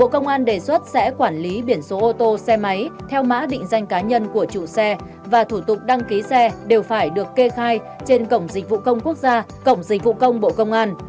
bộ công an đề xuất sẽ quản lý biển số ô tô xe máy theo mã định danh cá nhân của chủ xe và thủ tục đăng ký xe đều phải được kê khai trên cổng dịch vụ công quốc gia cổng dịch vụ công bộ công an